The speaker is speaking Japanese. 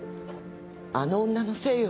あの女のせいよ。